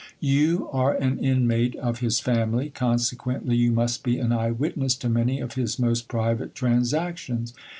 You are an inmate of his family, consequently you must be an eye witness to many of his most private transactions.